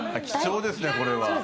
貴重ですね、これは。